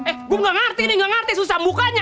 eh gua ga ngerti nih ga ngerti susah mukanya